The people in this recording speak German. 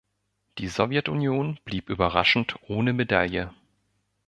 Die Sowjetunion blieb überraschend ohne Medaille.